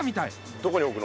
どこにおくの？